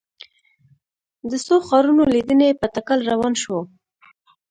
د څو ښارونو لیدنې په تکل روان شوو.